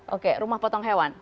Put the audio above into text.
oke rumah potong hewan